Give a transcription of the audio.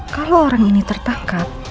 kalau orang ini tertangkap